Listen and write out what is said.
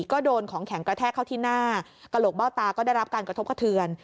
ก็โดนของแข็งกระแทกเข้าที่หน้ากระโหลกเบ้าตาก็ได้รับการกระทบกระเทือน